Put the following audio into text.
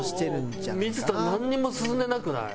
水田なんにも進んでなくない？